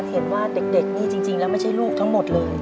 เห็นว่าเด็กนี่จริงแล้วไม่ใช่ลูกทั้งหมดเลย